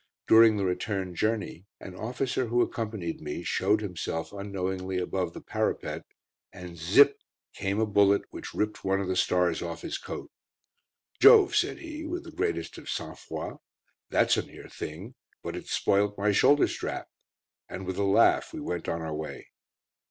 During the return journey, an officer who accompanied me showed himself unknowingly above the parapet, and "zipp" came a bullet, which ripped one of the stars off his coat. "Jove!" said he, with the greatest of sang froid, "that's a near thing; but it's spoilt my shoulder strap": and with a laugh we went on our way.